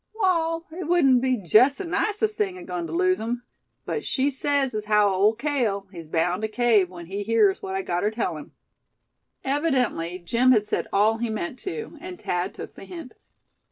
"Wall, it wudn't be jest the nicest thing agoin' tuh lose 'em; but she sez as haow Ole Cale, he's bound tuh cave when he hears what I gotter tuh tell him." Evidently Jim had said all he meant to, and Thad took the hint.